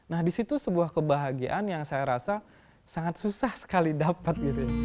nah di situ sebuah kebahagiaan yang saya rasa sangat susah sekali dapat